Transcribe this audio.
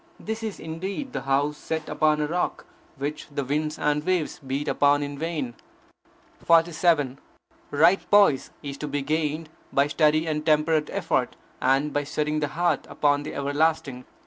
This is indeed the house set upon a rock, which the winds and waves beat upon in vain. 47. Right poise is to be gained by steady and temperate effort, and by setting the heart upon the everlasting.